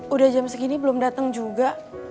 udah jam segini belum datang juga